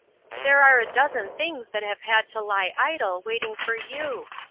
"There are a dozen things that have had to lie idle, waiting for you.